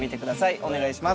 お願いします。